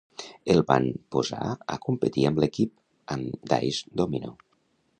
El van posar a competir amb l'equip, amb Dice Domino.